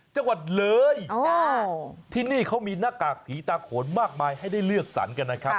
จังหวัดเลยที่นี่เขามีหน้ากากผีตาโขนมากมายให้ได้เลือกสรรกันนะครับ